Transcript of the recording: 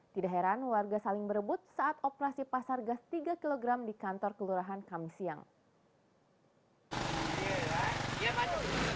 tidak heran warga saling berebut saat operasi pasar gas tiga kg di kantor kelurahan kami siang